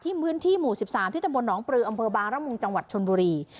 ที่มื้นที่หมู่๑๓ที่เต็มพุนนปรื่ออบาร่างระมุงจชนบุรี